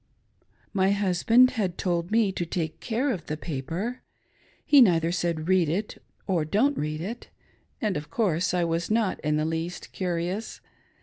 ■ My husband had told me to "take care" of the paper. He neither said " read it " or " don't read it," and, of course, I was not in the least curious.